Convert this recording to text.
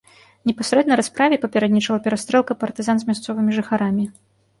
Непасрэдна расправе папярэднічала перастрэлка партызан з мясцовымі жыхарамі.